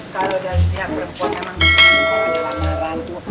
kalo dari pihak perempuan emang gini kalo ada lamaran tuh